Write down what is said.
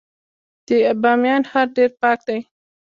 د بامیان ښار ډیر پاک دی